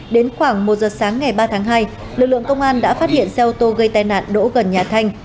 đến khoảng một giờ sáng ngày ba tháng hai lực lượng công an đã phát hiện xe ô tô gây tai nạn đỗ gần nhà thanh